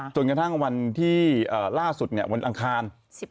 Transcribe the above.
จนกระทั่งวันที่ล่าสุดวันอังคาร